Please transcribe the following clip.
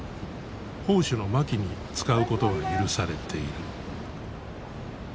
砲手の槇に使うことが許されている。